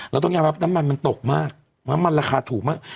เราต้องยอมรับน้ำมันมันตกมากน้ำมันราคาถูกมาก